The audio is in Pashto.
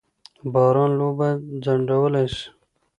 باران لوبه ځنډولای سي.